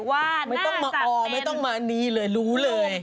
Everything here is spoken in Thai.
ว่าน่าจะเป็นนู้ง